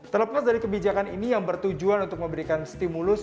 terlepas dari kebijakan ini yang bertujuan untuk memberikan stimulus